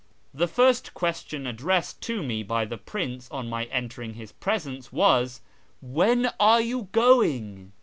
The first question addressed to me by the prince on my entering his presence was, " When are you going